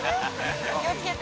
気をつけて。